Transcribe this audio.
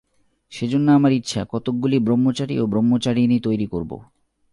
সেজন্য আমার ইচ্ছা, কতকগুলি ব্রহ্মচারী ও ব্রহ্মচারিণী তৈরী করব।